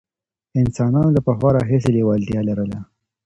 انسانانو له پخوا راهیسې لېوالتیا لرله.